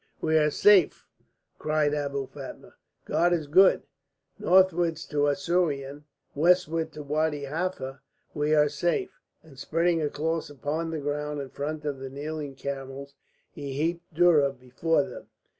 "We are safe," cried Abou Fatma. "God is good. Northwards to Assouan, westwards to Wadi Halfa, we are safe!" And spreading a cloth upon the ground in front of the kneeling camels, he heaped dhurra before them.